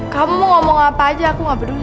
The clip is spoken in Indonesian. kamu mau ngomong apa aja aku gak peduli